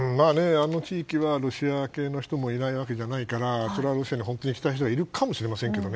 あの地域はロシア系の人もいないわけじゃないから本当にロシアに行きたい人がいるかもしれませんけど